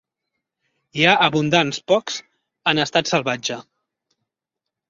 Hi ha abundants pocs en estat salvatge.